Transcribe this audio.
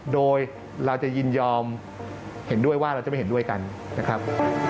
โดยเราจะยินยอมเห็นด้วยว่าเราจะไม่เห็นด้วยกันนะครับ